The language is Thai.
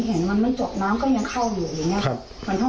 เพราะว่าบ้างหลังเขาก็อยู่บ้างหลังเขาก็ไม่อยู่